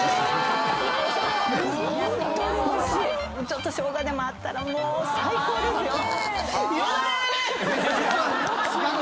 ちょっとショウガでもあったらもう最高ですよ。